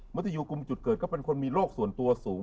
เมื่อที่ได้กุมจุดเกิดก็เป็นคนมีโรคส่วนตัวสูง